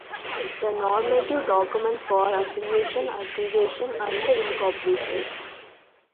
The normative documents for affiliations, aggregations and incorporations.